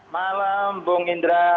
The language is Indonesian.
malam bung indra